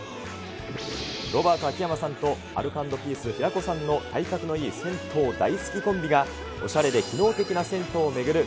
ロバート秋山さんとアルコ＆ピース・平子さんの体格のいい銭湯大好きコンビが、おしゃれで機能的な銭湯を巡る